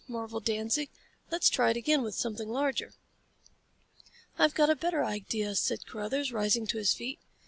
marveled Danzig. "Let's try it again with something larger." "I've got a better idea," said Carruthers, rising to his feet.